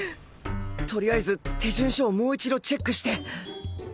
とりあえず手順書をもう一度チェックして